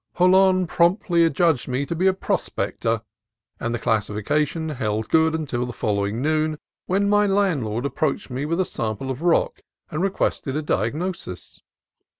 Jolon promptly adjudged me to be a prospector, and the classification held good until the following noon, when my landlord approached me with a sample of rock and requested a diagnosis.